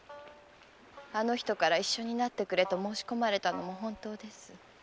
あの人から「一緒になってくれ」と申し込まれたのも本当です。